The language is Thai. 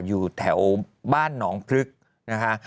อยู่แถวบ้านหนองพลึกนะคะ